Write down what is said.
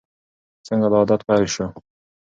څنګه دا عادت پیل شو؟